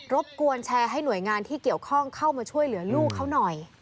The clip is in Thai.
บกวนแชร์ให้หน่วยงานที่เกี่ยวข้องเข้ามาช่วยเหลือลูกเขาหน่อย